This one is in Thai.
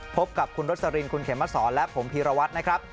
พบกับคุณรสลินคุณเขมสอนและผมพีรวัตรนะครับ